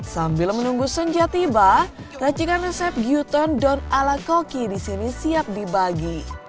sambil menunggu senja tiba racikan resep giu tun don ala koki di sini siap dibagi